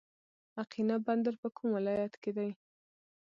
اقینه بندر په کوم ولایت کې دی؟